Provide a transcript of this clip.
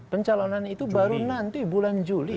pencalonan itu baru nanti bulan juli